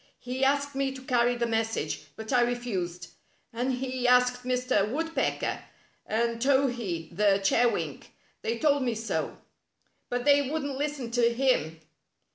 He asked me to carry the message, but I refused, and he asked Mr. W^oodpecker and Towhee the Chewink. They told me so. But they wouldn't listen to him."